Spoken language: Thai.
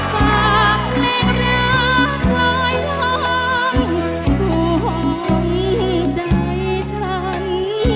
ฝากเพลงรักลายล้างส่วนใจฉัน